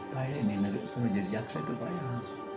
paya ini pula jadi jaksa itu payah